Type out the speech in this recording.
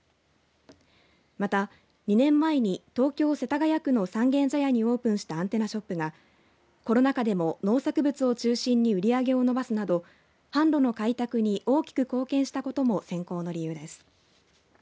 また、２年前に東京、世田谷区の三軒茶屋にオープンしたアンテナショップがコロナ禍でも農作物を中心に売り上げを伸ばすなど販路の開拓に大きく貢献したことも選考の理由です。